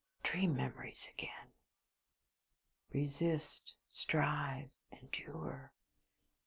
Dream memories again. "Resist, strive, endure."